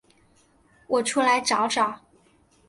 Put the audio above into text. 我出来找找